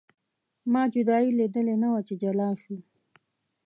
ما جدایي لیدلې نه وه چې جلا شو.